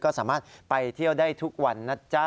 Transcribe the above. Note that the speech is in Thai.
ก็สามารถไปเที่ยวได้ทุกวันนะจ๊ะ